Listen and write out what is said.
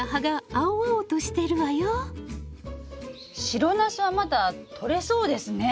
白ナスはまだとれそうですね。